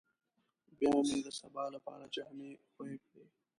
بيا مې د سبا لپاره جامې خويې کړې.